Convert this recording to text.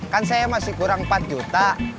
kan saya masih kurang empat juta